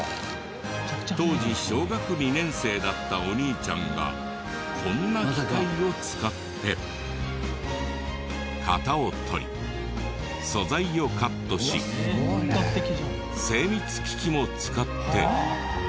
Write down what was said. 当時小学２年生だったお兄ちゃんがこんな機械を使って型を取り素材をカットし精密機器も使って。